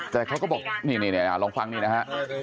แต่เขาก็บอกนี่ลองฟังนี่นะฮะ